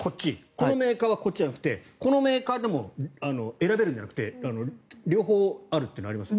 このメーカーはこっちじゃなくてこのメーカーでも選べるんじゃなくて両方あるっていうのもありますか？